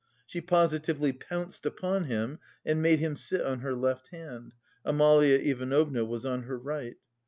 She positively pounced upon him, and made him sit on her left hand (Amalia Ivanovna was on her right).